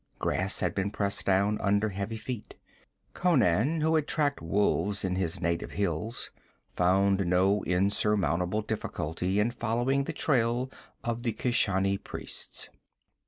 Grass had been pressed down under heavy feet. Conan, who had tracked wolves in his native hills, found no insurmountable difficulty in following the trail of the Keshani priests.